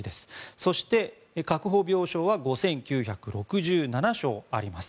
そして、確保病床は５９６７床あります。